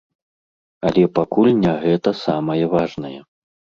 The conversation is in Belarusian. Але пакуль не гэта самае важнае.